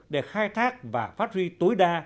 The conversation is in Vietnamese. để khai thác và phát huy tối đa